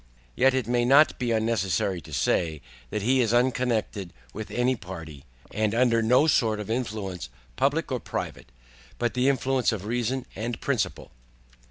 Yet it may not be unnecessary to say, That he is unconnected with any Party, and under no sort of Influence public or private, but the influence of reason and principle.